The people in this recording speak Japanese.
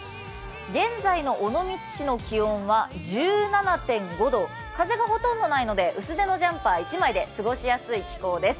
現在の尾道市の気温は１７．５度風がほとんどないので薄手のジャンパー１枚で過ごしやすい気温です。